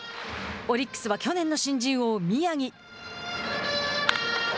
オリックスは去年の新人王、宮城。